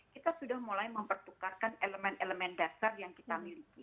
kita sudah mulai mempertukarkan elemen elemen dasar yang kita miliki